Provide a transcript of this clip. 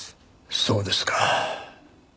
そうですか。